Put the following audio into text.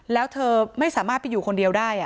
แล้วเธอไม่สามารถไปอยู่คนเดียวได้